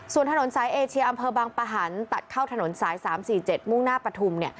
ส่วนถนนสายเอเชียอำเภอบังปะหันตัดเข้าถนนสาย๓๔๗มุ่งหน้าปฐุม